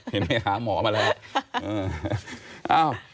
เห็นให้หาหมอมาแล้ว